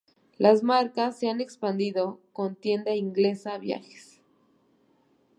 La marca se ha expandido con Tienda Inglesa Viajes.